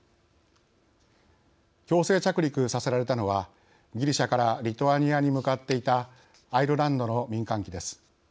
強制着陸させられたのはギリシャからリトアニアに向かっていたアイルランドの民間機です。